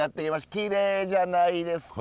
きれいじゃないですか！